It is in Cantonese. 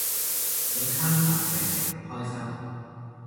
有餐飯仔食，開心